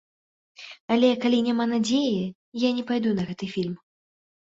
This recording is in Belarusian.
Але калі няма надзеі, я не пайду на гэты фільм.